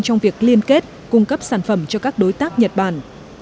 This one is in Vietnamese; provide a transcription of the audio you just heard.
trong việc liên kết cung cấp sản phẩm cho các đối tác nhật bản